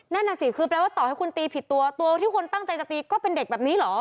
นั่นน่ะสิคือแปลว่าต่อให้คุณตีผิดตัวตัวที่คนตั้งใจจะตีก็เป็นเด็กแบบนี้เหรอ